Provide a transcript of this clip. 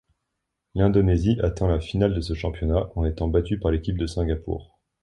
L'Indonésie atteint la finale de ce championnat, en étant battue par l'équipe de Singapour.